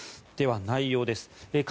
では内容です。